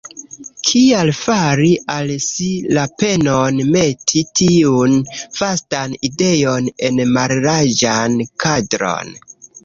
Kial fari al si la penon meti tiun vastan ideon en mallarĝan kadron?